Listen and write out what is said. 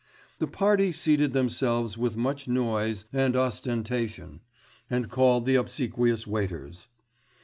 The party seated themselves with much noise and ostentation, and called the obsequious waiters.